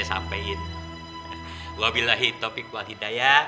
sampai jumpa di video selanjutnya